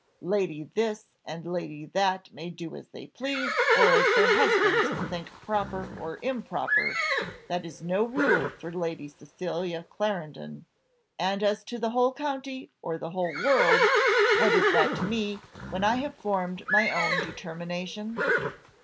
"Lady this and lady that may do as they please, or as their husbands think proper or improper, that is no rule for Lady Cecilia Clarendon; and as to the whole county, or the whole world, what is that to me, when I have formed my own determination?"